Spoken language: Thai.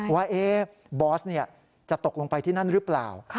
ว่าบอสจะตกลงไปที่นั่นหรือเปล่า